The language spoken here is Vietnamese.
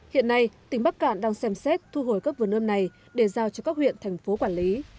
hiện nay tỉnh bắc cạn đang xem xét thu hồi các vườn ươm này để giao cho các huyện thành phố quản lý